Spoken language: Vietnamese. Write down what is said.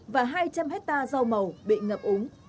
và hai trăm linh hectare rau màu bị ngập úng